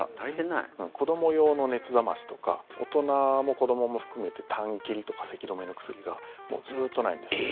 子ども用の熱冷ましとか大人も子どもも含めてたん切りとかせき止めの薬がもう、ずっとないんです。